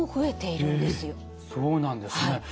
えそうなんですね。